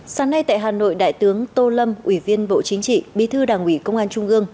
sáng nay tại hà nội đại tướng tô lâm ủy viên bộ chính trị bí thư đảng ủy công an trung ương